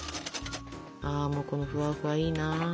ああもうこのふわふわいいな。